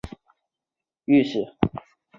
次年为山西道监察御史。